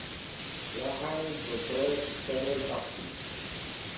Zahájen byl projekt Senior pasů.